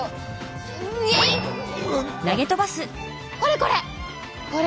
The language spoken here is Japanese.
これこれ！